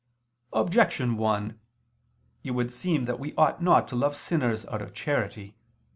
Objection 1: It would seem that we ought not to love sinners out of charity.